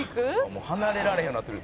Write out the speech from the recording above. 「もう離れられへんようになってる」